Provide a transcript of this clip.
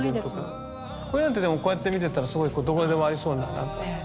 これなんてでもこうやって見てたらすごいどこにでもありそうな。